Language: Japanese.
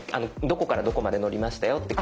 どこからどこまで乗りましたよって